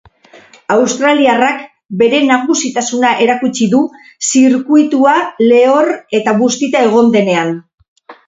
Australiarrak bere nagusitasuna erakutsi du zirkuitua lehor eta bustita egon denean.